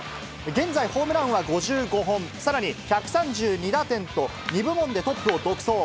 現在、ホームランは５５本、さらに１３２打点と、２部門でトップを独走。